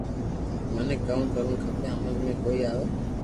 مني ڪاو ڪروُ کپئ ھمج مي ڪوئي آو